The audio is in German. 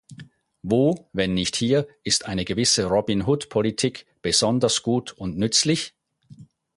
Wo, wenn nicht hier, ist eine gewisse Robin-Hood-Politik besonders gut und nützlich?